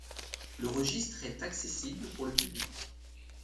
Le registre est accessible pour le public.